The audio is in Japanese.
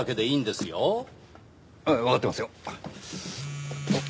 ええわかってますよ。